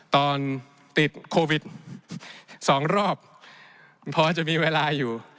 ตอนติดโควิด๒รอบพอจะมีเวลาอยู่